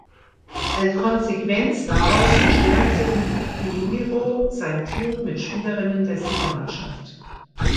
Als Konsequenz daraus verstärkte Ribeiro sein Team mit Spielerinnen der Siegermannschaft.